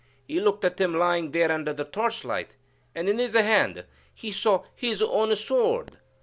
He looked at him, lying there under the torchlight, and in his hand saw his own sword.